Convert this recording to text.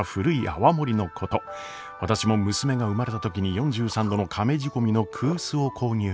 私も娘が生まれた時に４３度のかめ仕込みの古酒を購入。